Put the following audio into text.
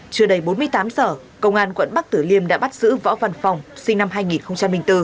chưa đầy bốn mươi tám giờ công an quận bắc tử liêm đã bắt giữ võ văn phong sinh năm hai nghìn bốn